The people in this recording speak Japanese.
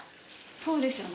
そうですよね。